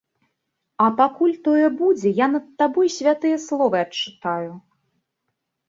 А пакуль тое будзе, я над табой святыя словы адчытаю.